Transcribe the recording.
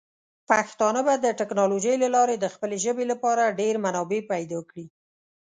پښتانه به د ټیکنالوجۍ له لارې د خپلې ژبې لپاره ډیر منابع پیدا کړي.